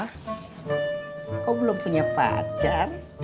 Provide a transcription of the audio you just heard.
kok belum punya pacar